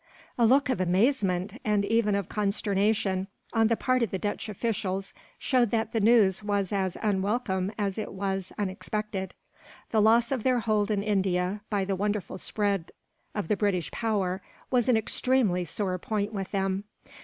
A look of amazement, and even of consternation, on the part of the Dutch officials showed that the news was as unwelcome as it was unexpected. The loss of their hold in India, by the wonderful spread of the British power, was an extremely sore point with them.